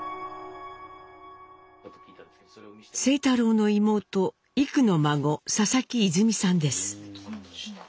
清太郎の妹幾の孫佐々木いづみさんです。